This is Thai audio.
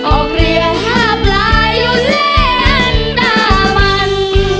ออกเรียหาปลายอยู่เล่นตามัน